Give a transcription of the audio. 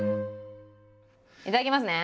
いただきますね。